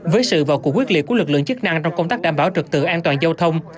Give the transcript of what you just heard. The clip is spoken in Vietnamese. với sự vào cuộc quyết liệt của lực lượng chức năng trong công tác đảm bảo trực tự an toàn giao thông